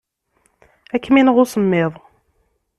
Ad kem-ineɣ usemmiḍ.